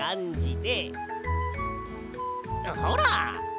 ほら。